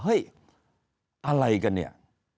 เฮ้ยอะไรกันเนี่ย